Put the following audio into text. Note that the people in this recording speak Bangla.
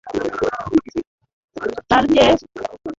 তার চেয়ে বরঞ্চ কিছুকাল কষ্ট করিয়া থাকাও ভালো।